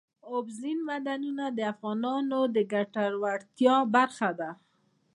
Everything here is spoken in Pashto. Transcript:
اوبزین معدنونه د افغانانو د ګټورتیا برخه ده.